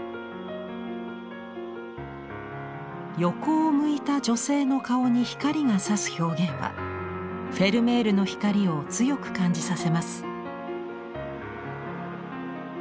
横を向いた女性の顔に光がさす表現はフェルメールの光を強く感じさせます。